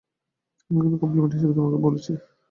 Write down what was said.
আমি কিন্তু কমপ্লিমেন্ট হিসেবে তোমাকে বলেছি।